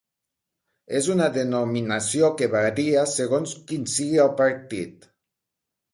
És una denominació que varia segons quin sigui el partit.